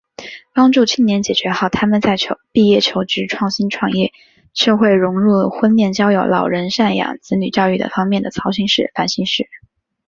帮助青年解决好他们在毕业求职、创新创业、社会融入、婚恋交友、老人赡养、子女教育等方面的操心事、烦心事……